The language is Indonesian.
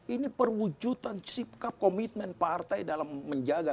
ini perwujudan sikap komitmen partai dalam menjaga